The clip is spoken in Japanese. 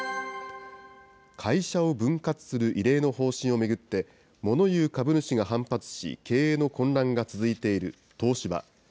会社を分割する異例の方針を巡って、モノ言う株主が反発し、経営の混乱が続いている東芝。